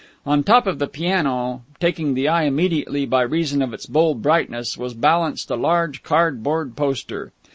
On top of the piano, taking the eye immediately by reason of its bold brightness, was balanced a large cardboard poster.